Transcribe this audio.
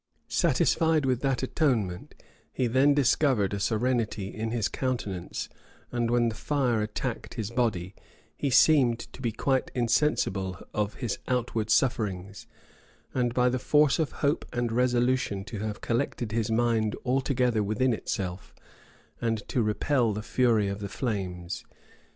Satisfied with that atonement, he then discovered a serenity in his countenance, and when the fire attacked his body, he seemed to be quite insensible of his outward sufferings, and by the force of hope and resolution to have collected his mind altogether within itself, and to repel the fury of the flames.